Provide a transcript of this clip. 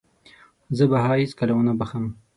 زه به هغه هيڅکله ونه وبښم.